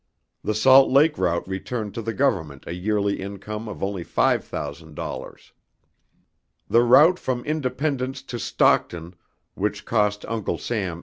The Salt Lake route returned to the Government a yearly income of only $5,000.00. The route from Independence to Stockton, which cost Uncle Sam $80,000.